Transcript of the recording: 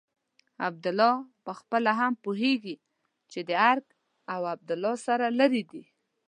عبدالله پخپله هم پوهېږي چې ارګ او عبدالله سره لرې دي.